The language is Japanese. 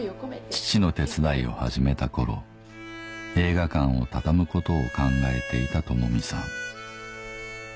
父の手伝いを始めた頃映画館を畳むことを考えていた智巳さん